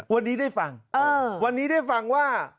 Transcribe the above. วันนี้ได้ฟังวันนี้ได้ฟังว่า